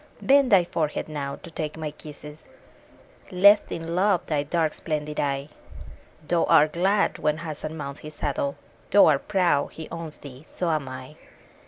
Bend thy forehead now, to take my kisses! Lift in love thy dark and splendid eye: Thou art glad when Hassan mounts his saddle, — Thou art proud he owns thee: so am I.